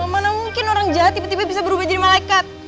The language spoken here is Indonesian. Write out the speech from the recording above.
mana mungkin orang jawa tiba tiba bisa berubah jadi malaikat